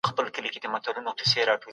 د لوېدیځو سیمو خلګو څنګه ژوند کاوه؟